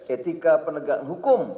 etika penegakan hukum